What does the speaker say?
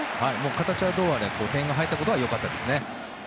形はどうあれ点が入ったことは良かったですね。